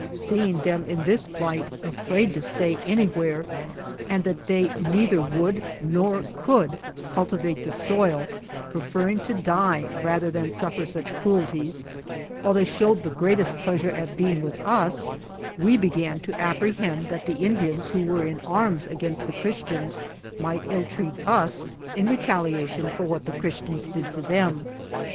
Seeing them in this plight, afraid to stay anywhere, and 163 THE JOURNEY OF that they neither would nor could cultivate the soil, preferring to die rather than suf fer such cruelties, while they showed the greatest pleasure at being with us, we began to apprehend that the Indians who were in arms against the Christians might ill treat us in retaliation for what the Christians did to them.